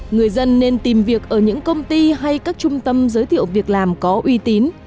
người dân nên tìm việc ở những công ty hay các trung tâm giới thiệu việc làm có uy tín